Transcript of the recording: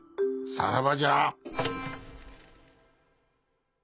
さらばじゃ。